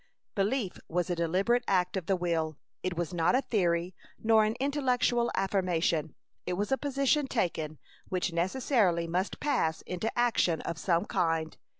Belief was a deliberate act of the will. It was not a theory, nor an intellectual affirmation; it was a position taken, which necessarily must pass into action of some kind.